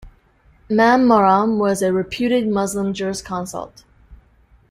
Mame Maram was a reputed Muslim jurisconsult.